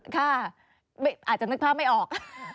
ค่ะอาจจะนึกภาพไม่ออก